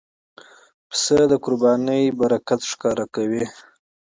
پسه د قربانۍ برکت ښکاره کوي.